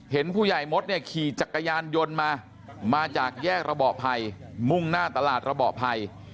เห็นผู้ใหญ่มดเนี่ยขี่จักรยานยนต์มามาจากแยกระเบาะภัยมุ่งหน้าตลาดระเบาะภัย